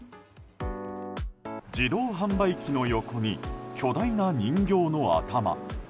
自動販売機の横に巨大な人形の頭。